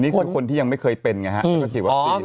มันคือคนที่ยังไม่เคยเป็นไงฮะ